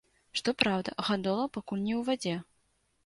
Што праўда, гандола пакуль не ў вадзе.